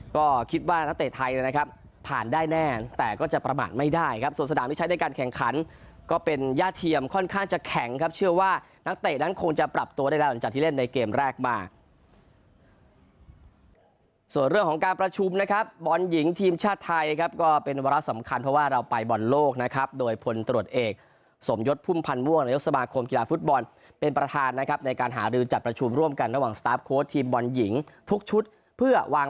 ก็คิดว่านักเตะไทยนะครับผ่านได้แน่แต่ก็จะประมาณไม่ได้ครับส่วนสดามที่ใช้ในการแข่งขันก็เป็นยาเทียมค่อนข้างจะแข่งครับเชื่อว่านักเตะนั้นคงจะปรับตัวได้แล้วจากที่เล่นในเกมแรกมาส่วนเรื่องของการประชุมนะครับบอลหญิงทีมชาติไทยครับก็เป็นเวลาสำคัญเพราะว่าเราไปบอลโลกนะครับโดยผลตรวจเ